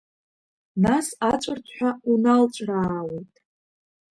Нас аҵәыртҳәа уналҵәраауеит!